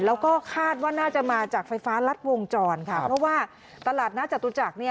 แล้วก็คาดว่าน่าจะมาจากไฟฟ้ารัดวงจรค่ะเพราะว่าตลาดนัดจตุจักรเนี่ย